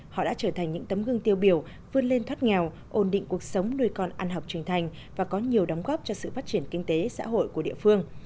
họ đã trở thành những tấm gương tiêu biểu vươn lên thoát nghèo ổn định cuộc sống nuôi con ăn học trưởng thành và có nhiều đóng góp cho sự phát triển kinh tế xã hội của địa phương